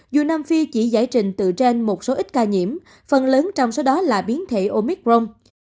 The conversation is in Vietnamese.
dù nam phi chỉ giải trình từ trên một số ít ca nhiễm phần lớn trong số đó là biến thể omicron